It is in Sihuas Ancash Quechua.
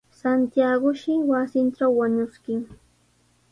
Santiagoshi wasintraw wañuskin.